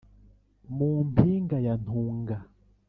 mu mpinga ya ntunga